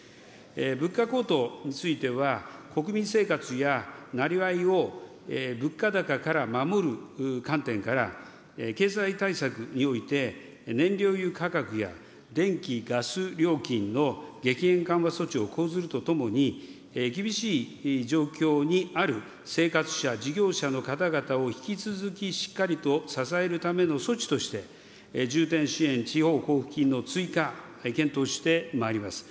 物価高騰については、国民生活やなりわいを物価高から守る観点から、経済対策において燃料油価格や電気・ガス料金の緩和措置を講ずるとともに、厳しい状況にある生活者、事業者の方々を引き続きしっかりと支えるための措置として、重点支援地方交付金の追加、検討してまいります。